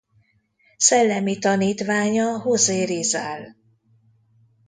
Szellemi tanítványa José Rizal.